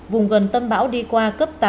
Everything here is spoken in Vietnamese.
vùng gần tâm bão đi qua cấp tám